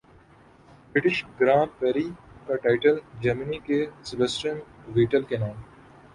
British grand prix کا title Germany کے Sebastian Vettel کے نام